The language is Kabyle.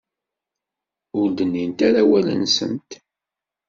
Ur d-nnint ara awal-nsent.